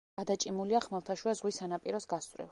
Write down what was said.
გადაჭიმულია ხმელთაშუა ზღვის სანაპიროს გასწვრივ.